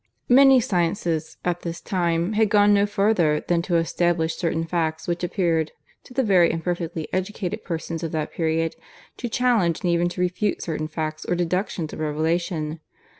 Many sciences, at this time, had gone no further than to establish certain facts which appeared, to the very imperfectly educated persons of that period, to challenge and even to refute certain facts or deductions of Revelation.